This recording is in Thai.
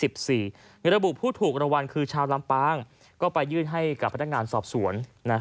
ระบุผู้ถูกรางวัลคือชาวลำปางก็ไปยื่นให้กับพนักงานสอบสวน